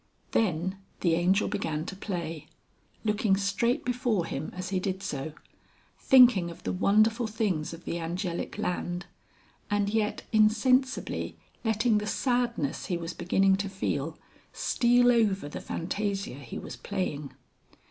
Then the Angel began to play, looking straight before him as he did so, thinking of the wonderful things of the Angelic Land, and yet insensibly letting the sadness he was beginning to feel, steal over the fantasia he was playing.